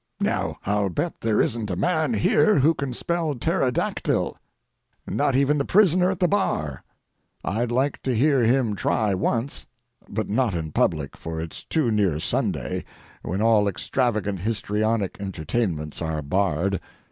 Now I'll bet there isn't a man here who can spell "pterodactyl," not even the prisoner at the bar. I'd like to hear him try once—but not in public, for it's too near Sunday, when all extravagant histrionic entertainments are barred.